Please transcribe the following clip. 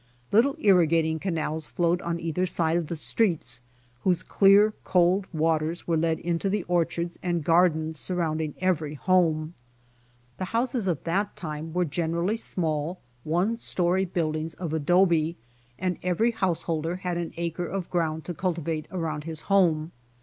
Little irrigating canals flowed on either side of the streets, whose clear cold waters were led into the orchards and gardens surrounding every home. The houses of that time were generally small, one story buildings of adobe, and every householder had an acre of ground to culti vate around his homie.